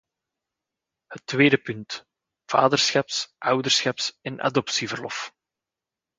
Het tweede punt: vaderschaps-, ouderschaps- en adoptieverlof.